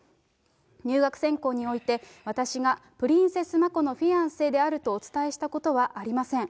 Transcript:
入学選考において、私がプリンセス・マコのフィアンセであるとお伝えしたことはありません。